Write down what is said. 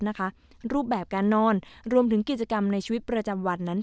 รูปแบบการนอนรวมถึงกิจกรรมในชีวิตประจำวันนั้น